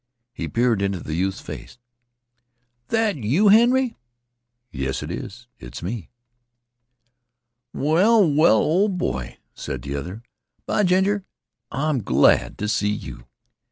He peered into the youth's face. "That you, Henry?" "Yes, it's it's me." "Well, well, ol' boy," said the other, "by ginger, I'm glad t' see yeh!